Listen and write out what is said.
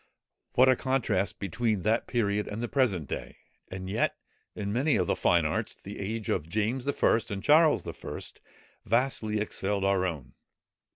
What a contrast between that period and the present day! And yet, in many of the fine arts, the age of James I. and Charles I. vastly excelled our own.